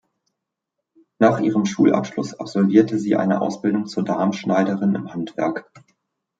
Nach ihrem Schulabschluss absolvierte sie eine Ausbildung zur Damenschneiderin im Handwerk.